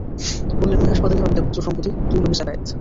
বললেন, ঐ হাঁসপাতাল হবে দেবত্র সম্পত্তি, তুই হবি সেবায়েত।